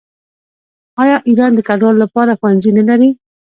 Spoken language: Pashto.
آیا ایران د کډوالو لپاره ښوونځي نلري؟